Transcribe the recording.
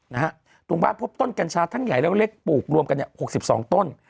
นะครับตรงบ้านพบต้นกัญชาทั้งใหญ่และเล็กปลูกรวมกันเนี่ย๖๒ต้น